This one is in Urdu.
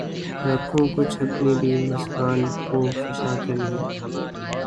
رکھوں کچھ اپنی بھی مژگان خوں فشاں کے لیے